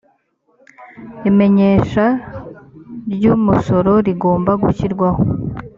imenyesha ry umusoro rigomba gushyirwaho